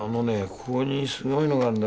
ここにすごいのがあんだ